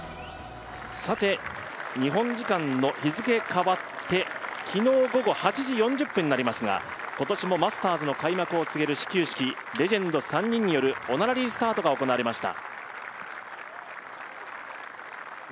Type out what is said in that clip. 日本時間の、日付変わって昨日午後８時４０分になりますが今年もマスターズの開幕を告げる始球式レジェンド３人によるオナラリースタートが行われました。